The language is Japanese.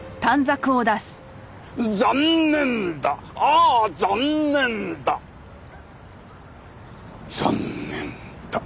「残念だああ残念だ残念だ」